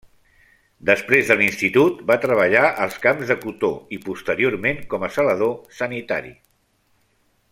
Després de l'institut, va treballar als camps de cotó i posteriorment com a zelador sanitari.